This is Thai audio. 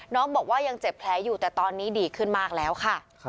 น้องบอกว่ายังเจ็บแผลอยู่แต่ตอนนี้ดีขึ้นมากแล้วค่ะ